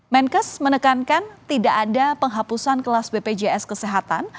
menkes menekankan tidak ada penghapusan kelas bpjs kesehatan